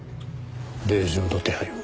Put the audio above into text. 令状の手配を。